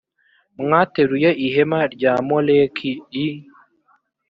mwateruye ihema rya moleki i